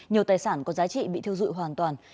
nhiều tài sản có giá trị bị thiêu dụi hoàn toàn